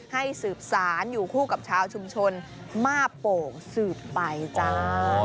สืบสารอยู่คู่กับชาวชุมชนมาบโป่งสืบไปจ้า